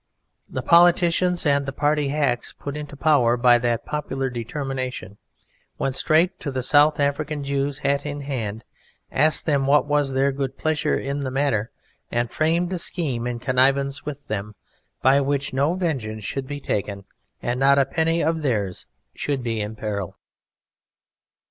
The politicians and the party hacks put into power by that popular determination went straight to the South African Jews, hat in hand, asked them what was their good pleasure in the matter, and framed a scheme in connivance with them, by which no vengeance should be taken and not a penny of theirs should be imperilled.